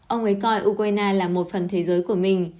ông ấy coi ukraine là một phần thế giới của mình